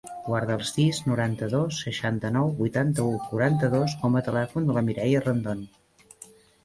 Guarda el sis, noranta-dos, seixanta-nou, vuitanta-u, quaranta-dos com a telèfon de la Mireia Rendon.